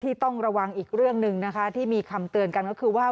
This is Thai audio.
ต้องระวังอีกเรื่องหนึ่งนะคะที่มีคำเตือนกันก็คือว่า